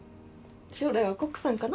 将来はコックさんかな？